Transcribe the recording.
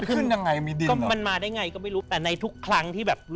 ขึ้นยังไงมีดินเหรอ